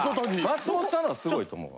松本さんの方がすごいと思うわ。